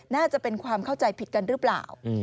น่าจะเป็นความเข้าใจผิดกันหรือเปล่า